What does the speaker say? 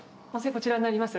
こちらになります。